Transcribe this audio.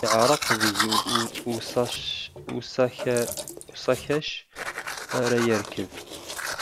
Yeɛreq deg usakac ara yerkeb.